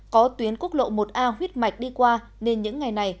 có tuyến quốc lộ một a huyết mạch đi qua nên những ngày này